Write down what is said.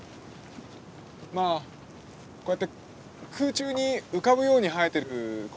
まあこうやって空中に浮かぶように生えてるコケなんで。